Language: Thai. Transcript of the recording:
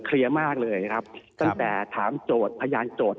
มากเลยครับตั้งแต่ถามโจทย์พยานโจทย์